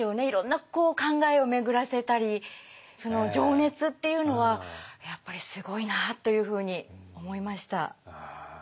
いろんな考えを巡らせたりその情熱っていうのはやっぱりすごいなあというふうに思いました。